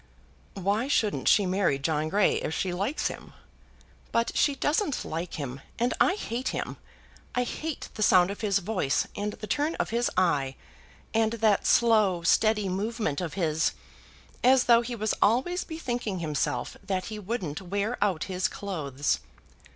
"Why shouldn't she marry John Grey if she likes him?" "But she doesn't like him. And I hate him. I hate the sound of his voice, and the turn of his eye, and that slow, steady movement of his, as though he was always bethinking himself that he wouldn't wear out his clothes."